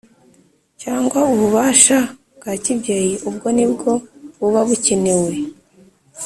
Cyangwa ububasha bwa kibyeyi ubwo nibwo buba bucyenewe